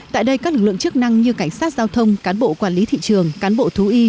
tại đây các lực lượng chức năng như cảnh sát giao thông cán bộ quản lý thị trường cán bộ thú y